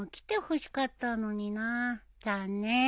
残念。